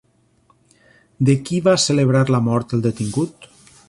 De qui va celebrar la mort el detingut?